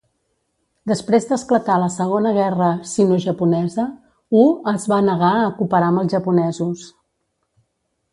Després d'esclatar la segona Guerra sinojaponesa, Wu es va negar a cooperar amb els japonesos.